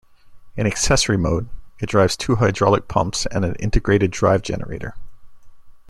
In accessory mode, it drives two hydraulic pumps and an integrated drive generator.